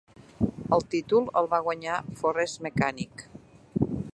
El títol el va guanyar Forres Mechanics.